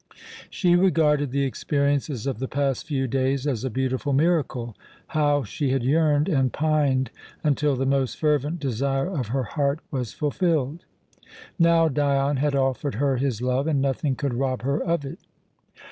She regarded the experiences of the past few days as a beautiful miracle. How she had yearned and pined until the most fervent desire of her heart was fulfilled! Now Dion had offered her his love, and nothing could rob her of it.